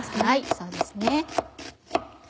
そうですね。